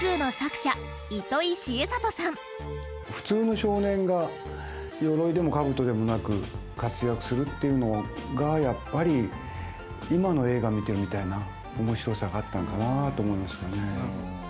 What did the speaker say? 普通の少年が、鎧でも兜でもなく活躍するっていうのがやっぱり、今の映画を見てるみたいな面白さがあったのかなと思いますよね。